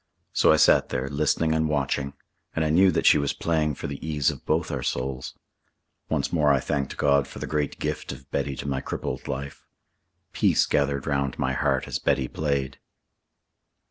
So I sat there, listening and watching, and I knew that she was playing for the ease of both our souls. Once more I thanked God for the great gift of Betty to my crippled life. Peace gathered round my heart as Betty played.